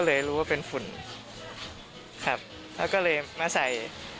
เลยรู้ว่าเป็นฝุ่นครับแล้วก็เลยมาใส่